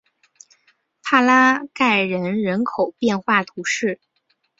梅拉盖人口变化图示